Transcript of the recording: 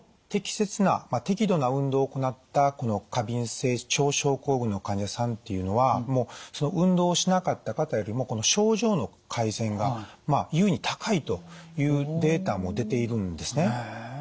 適切な適度な運動を行ったこの過敏性腸症候群の患者さんっていうのは運動しなかった方よりも症状の改善が優に高いというデータも出ているんですね。